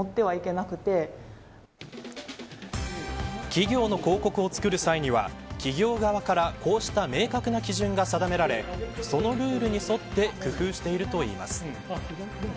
企業の広告を作る際には企業側からこうした明確な基準が定められそのルールに沿って工夫しているといいます。